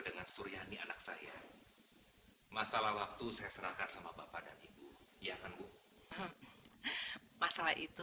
dengan suryani anak saya masalah waktu saya serahkan sama bapak dan ibu ya kan bu masalah itu